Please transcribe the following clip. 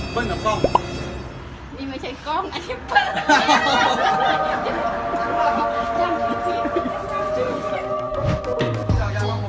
เปิ้ลกับกล้อง